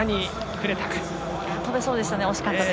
跳べそうでしたね。